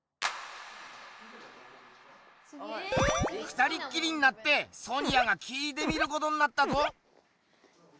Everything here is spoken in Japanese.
ふたりっきりになってソニアが聞いてみることになったぞ。